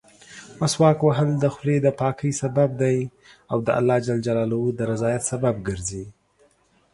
مسواک وهل د خولې دپاکۍسبب دی او د الله جل جلاله درضا سبب ګرځي.